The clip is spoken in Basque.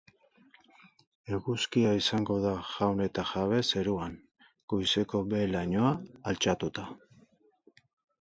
Eguzkia izango da jaun eta jabe zeruan, goizeko behe-lainoa altxatuta.